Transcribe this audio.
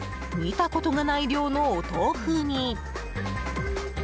見たことがない量のお豆腐に。